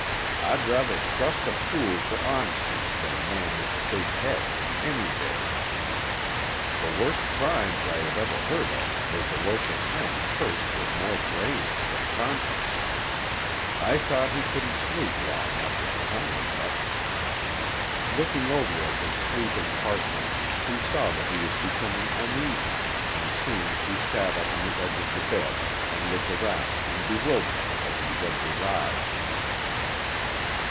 I'd rather trust a fool for honesty than a man with a big head, any day. The worst crimes I have ever heard of were the work of men cursed with more brains than conscience. I thought he couldn't sleep long after the sun was up." Looking over at his sleeping partner, he saw that he was becoming uneasy, and soon he sat up on the edge of the bed, and looked around in bewilderment as he rubbed his eyes.